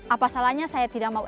apa salahnya saya tidak mau